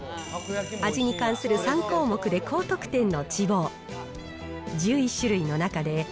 味に関する３項目で高得点の千房。